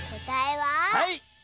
はい！